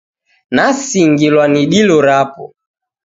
Nasingilwagha ni dilo rapo.